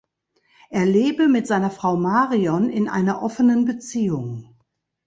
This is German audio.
Er lebe mit seiner Frau Marion in einer offenen Beziehung.